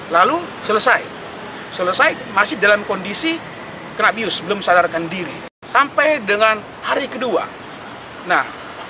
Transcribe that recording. lalu selesai selesai masih dalam kondisi kena bius belum sadarkan diri sampai dengan hari kedua nah